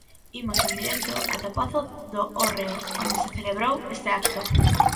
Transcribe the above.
Imos en directo ata o pazo do Hórreo, onde se celebrou este acto.